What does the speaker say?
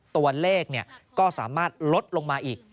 ตัวเลขก็สามารถลดลงมาอีก